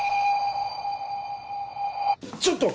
ちょっと！